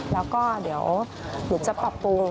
แล้วก็เดี๋ยวจะปรับปรุง